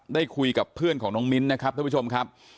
ได้คุยกับเพื่อนของน้องมิ้นนะครับท่านผู้ชมครับ